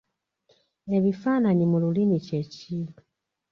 Ebifaananyi mu lulimi kye ki?